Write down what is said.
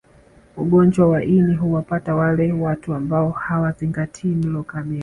Ugonjwa wa ini huwapata wale watu ambao hawazingatii mlo kamili